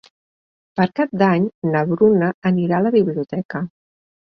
Per Cap d'Any na Bruna anirà a la biblioteca.